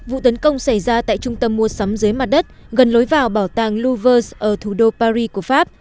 vụ tấn công xảy ra tại trung tâm mua sắm dưới mặt đất gần lối vào bảo tàng louverse ở thủ đô paris của pháp